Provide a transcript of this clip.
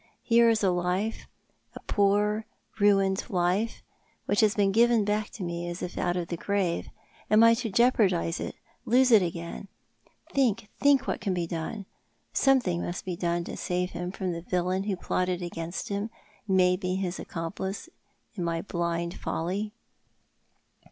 Here is a life— a poor ruined life— which hiis been given back to me as if out of the grave. Am I to jeopardise it —lose it again ? Think, think what can be done. Something must be done to save him from the villain who plotted against him, who made me his accomplice, in my blind folly."